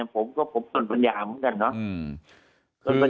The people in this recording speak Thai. ผมก็จะตนภัณฑ์ยาวเหมือนกัน